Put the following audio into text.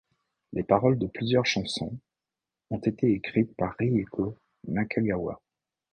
Les paroles de plusieurs chansons ont été écrites par Rieko Nakagawa.